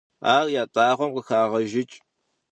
Ар ятӀагъуэм къыхагъэжыкӀ.